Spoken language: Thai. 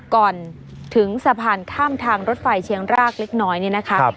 ก่อนถึงสะพานข้ามทางรถไฟเชียงรากเล็กน้อยนี่นะคะ